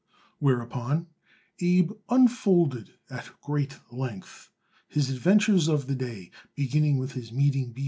Whereupon, Abe unfolded at great length his adventures of the day, beginning with his meeting B.